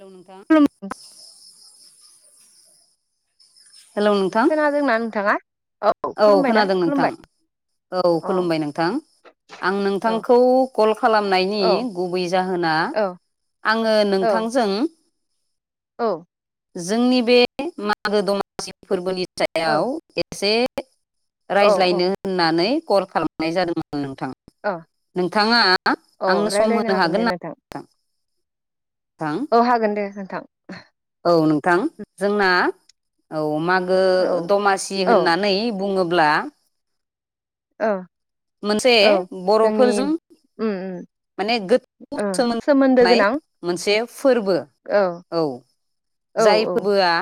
हेल' नोंथां। खुलुम हेलौ नोंथां खोनादोंना नोंथाङा? औ खुलुमबायना खोनादों नोंथां खुलुमबाय औ अ खुलुमबाय नोंथां। आं औ नोंथांखौ कल खालामनायनि औ गुबै जाहोना औ आङो नोंथांजों औ जोंनि बे मागो दमासि फोरबोनि औ सायाव एसे औ रायज्लायनो होननानै कल खालामनाय जादोंमोन। नोंथां ओ नोंथाङा औ आंनो सम रायज्लायनो होनो हागोन दे ना नोंथां? औ हागोन दे नोंथां। औ नोंथां जोंना औ मागो औ दमासि औ ओ होननानै बुङोब्ला। ब्ला ओ मोनसे बर'फोरजों उ उ माने गोथौ सोमोन्दो थानाय मोनसे फोरबो, औ औ‌ औ जाय औ फोरबोआ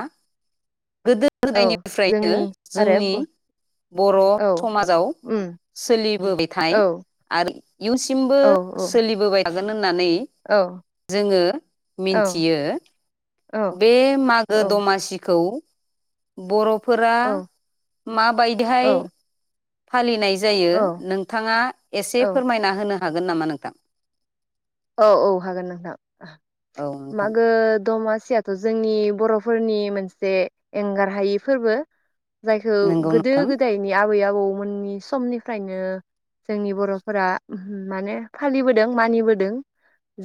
गोदो औ जोंनि गोदायनिफ्रायनो आरो जोंनि ब बर' औ समाजाव उम सोलिबोबाय थानाय औ आरो इयुनसिमबो औ औ सोलिबोबाय नानै औ जोङो औ मिनथियो औ बे मागो औ दमासिखौ बर'फोरा माबायदिहाय फालिनाय जायो औ नोंथाङा एसे औ फोरमायना होनो हागोन नामा नोंथां? औ औ हागोन नोंथां औ नोंथां मागो दमा सियाथ' जोंनि बर'फोरनि मोनसे एंगार हायि फोरबो। जायखौ नंगौ गोदो नोंथां गोदायनि आबै आबौमोननि समनिफ्रायनो जोंनि बर'फोरा माने फालिबोदों मानिबोदों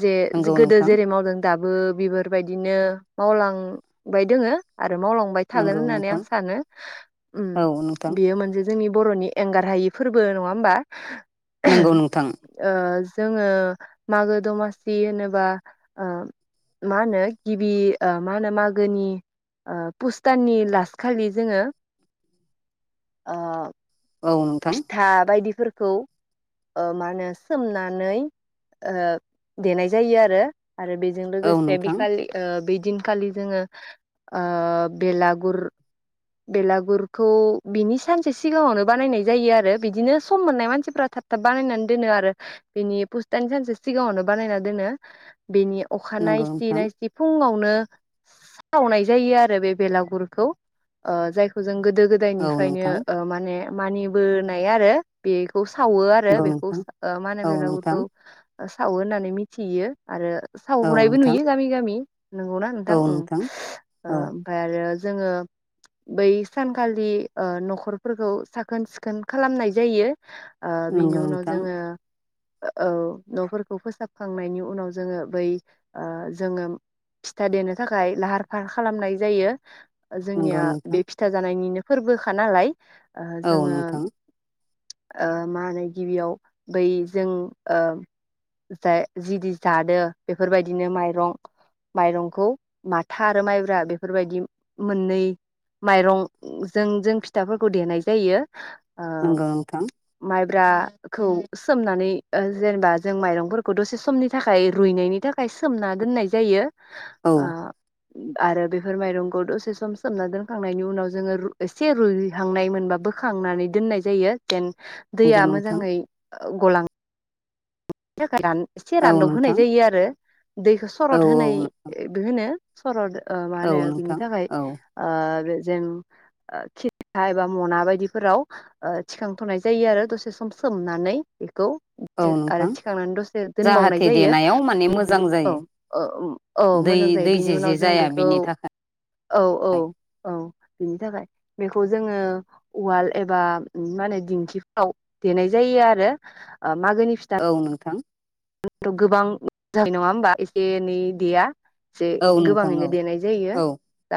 जे नंगौ गोदो नोंथां जेरै मावदों दाबो बिफोरबायदिनो मावलांबाय दङो आ रो मावलां थागोन नंगौ होननानै नोंथां आं सानो औ नोंथां बियो मोनसे जोंनि बर'नि एंगार हायि फोरबो नङा होमबा नंगौ नोंथां ओ जोङो मागो दमासि होनोबा आ मा होनो गिबि मा होनो मागोनि ओ पुस दाननि लास्ट खालि जोङो आ औ नोंथां फिथा बायदिफोर खौ ओ मा होनो सोमनानै ओ देनाय जायो आरो आरो बेजों औ लोगोसे नोंथां बिखालि ओ बि दिनखालि जोङो ओ बेलागुर बेलागुरखौ बिनि सानसे सिगाङावनो बानायनाय जायो आरो बिदिनो सम मोननाय मानसिफोरा थाब थाब बानायनानै दोनो आरो बिनि पुश दाननि सानसे सिगाङावनो बानायना दोनो बेनि अखा नंगौ नायसि नोंथां नायसि फुंआव नो साउनाय जायो आरो बे भेलागुरुखौ ओ जायखौ जों गो दो औ गोदायनिफ्रायनो नोंथां ओ माने मानिबोनाय आरो बेखौ सावो आरो नंगौ बेखौ नोंथां मा होनो औ नोंथां बेलागुरखौ सावो होननानै मिथियो आरो औ सावनायबो नोंथां नुयो गामि गामि नंगौना नोंथां उम औ ओमफ्राय आरो जों बै सानखालि ओ न'खरफोरखौ साखोन सि खोन खालामनाय जायो। ओ बिनि नंगौ उनाव नोंथां जोङो औ न'फोरखौ फोसाबखांनायनि उनाव जोङो बै ओ जोङो फिथा देनो थाखाय लाहार फाहार खालामनाय जायो। नंगौ जोंनिया नोंथां बे फिथा जानायनिनो फोरबोखा नालाय औ जोङो नोंथां ओ मा होनो गिबियाव बै जों ओ जा जिदि जादों बेफोरबायदिनो माइरं माइरंखौ माथा आरो माइब्रा बेफोरबायदि मोननै माइरंजों जों फिथाफोरखौ देनाय जायो। नंगौ नोंथां ब्राखौ सोमनानै ओ जेनेबा जों माइरंफोरखौ दसे समनि थाखाय रुइनायनि थाखाय सोमना दोननाय जायो औ ओ आरो बेफोर माइरंखौ दसे सम सोमना दोनखांनायनि उनाव जोङो एसे रुइहांनाय मोनबा बोखांनानै दोननाय जायो जेन नंगौ दैया नोंथां मोजाङै गला बिनि थाखाय एसे औ रानदब होनाय नोंथां जायो आरो दैखौ औ सरद होनाय होनो सरद ओ मा औ होनो बिनि नोंथां थाखाय औ आरो जेन खिथिखा एबा मना बायदिफोराव ओ थिखांथ'नाय जायो आरो दसे सम सोमनानै बेखौ औ आरो नोंथां थिखांनानै दसे दोनबावनाय जाहाथे जायो देनायाव माने मोजां जायो औ औ मो दै जां जायो दै बेनि जे उनाव जे जों जाया बेखौ बिनि थाखाय औ औ औ बेनि थाखाय खौ जोङो उवाल एबा मा होनो दिंखिफ्राव देनाय जायो आरो मागोनि फिथा औ नोंथां गोबां जानाय जायो नङा होमबा एसे एनै देया। से औ नोंथां औ गोबाङैनो देनाय जायो औ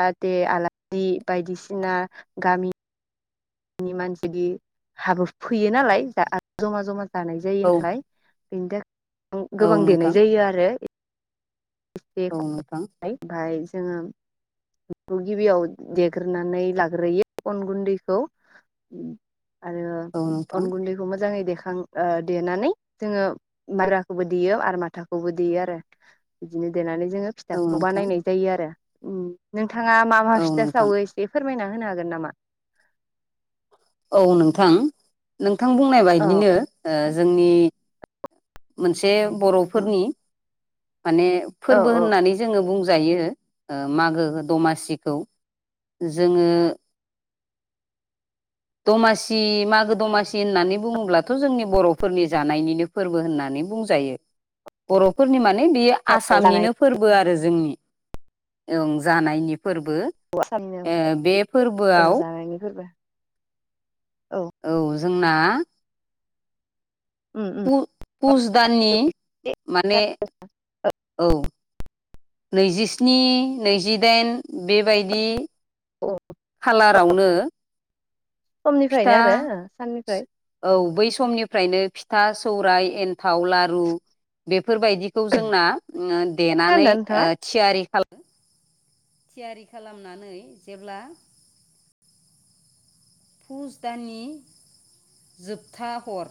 दा [unintelligible] आलासि बायदिसिना गामि नि मानसिदि हाबो फैयो नालाय आरो जमा जमा जानाय जायो औ नालाय। बेनि थाखाय औ गोबां नोंथां देनाय जायो आरो। एसे औ नोंथां खमाय बाय जोङो गिबियाव देग्रोनानै लाग्रोयो अन गुन्दैखौ। आरो औ नोंथां अन गुन्दैखौ मोजाङै दे खां ओ देनानै जोङो मायब्राखौबो देयो आरो माथाखौबो देयो आरो। बिदिनो देनानै जोङो औ फिथाखौ नोंथां बानायनाय जायो आरो नों नोंथाङा मा मा औ फिथा नोंथां सावो एसे फोरमायना होनो हागोन नामा। औ नोंथां नोंथां बुंनाय औ बायदिनो ओ जोंनि मोनसे बर'फोरनि माने औ फोरबो औ होननानै जोङो बुं जायो ओ मागो दमासिखौ जोङो [unintelligible] दमासि मागो दमासि होननानै बुङोब्लाथ' जोंनि बर'फोरनि जानायनिनो फोर बो होननानै बुंजायो बर'फोरनि माने बेयो औ जानाय आसामनिनो फोरबो आरो जोंनि ओं जानायनि फोरबो ओ साननिनो बे औ फोरबोआव जानायनि फोरबो औ जोंना उम उम पु-पुस दाननि माने औ। नैजिस्नि नैजिदाइन बेबायदि खालारावनो फिथा समनिफ्रायनो आरो साननिफ्राय औ बै समनिफ्रायनो फिथा सौराय एन थाव लारु बेफोरबायदिखौ जोंना देनानै खोनादोंना नोंथाङा? ओ थियारि खालाम थियारि खालामनानै जेब्ला फुज दाननि जोबथा हर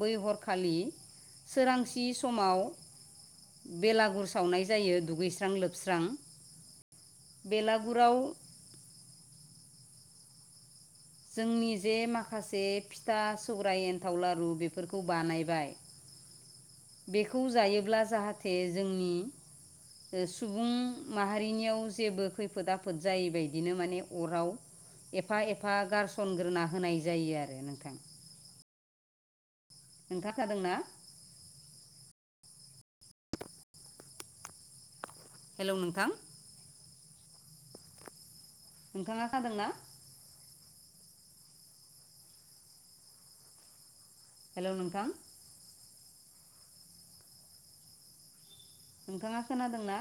बै हरखालि सोरांसि समाव बेलागुर सावनाय जायो दुगैस्रां लोबस्रां। बेलागुराव जोंनि जे माखासे फिथा सौराइ एन्थाव लारु बेफोरखौ बानायबाय। बेखौ जायोब्ला जाहाथे जोंनि सुबुं माहारिनियाव जेबो खैफोद आफोद जायैबायदिनो माने अराव एफा एफा गारसनग्रोना होनाय जायो आरो नोंथां। नोंथांङा खोनादोंना। हेलौ नोंथां। नोंथांङा खानादों ना। हेलौ नोंथां। नोंथांङा खोनादोंना।